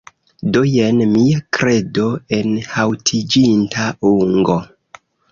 Do, jen mia kredo enhaŭtiĝinta ungo